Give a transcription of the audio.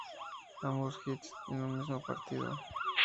Ambos hits en un mismo partido.